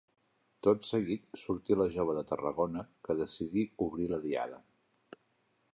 Tot seguit sortí la Jove de Tarragona, que decidí obrir la diada.